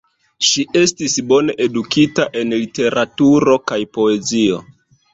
Ŝi estis bone edukita en literaturo kaj poezio.